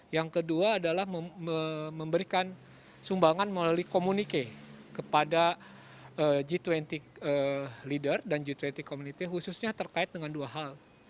yang kedua adalah memberikan sumbangan melalui komunike kepada g dua puluh leader dan g dua puluh community khususnya terkait dengan dua hal